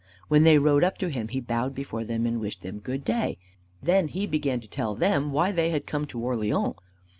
When they rode up to him he bowed before them and wished them "Good day." Then he began to tell them why they had come to Orleans.